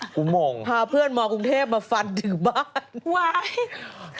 ผมงงพาเพื่อนมกรุงเทพมาฟันถึงบ้านว้าย